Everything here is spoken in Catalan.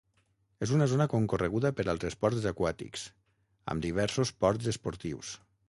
És una zona concorreguda per als esports aquàtics, amb diversos ports esportius.